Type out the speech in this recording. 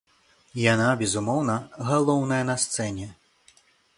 Яна, безумоўна, галоўная на сцэне.